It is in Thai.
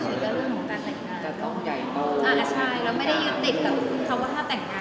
หมายถึงว่าเราช่วยกับเรื่องของการแต่งงาน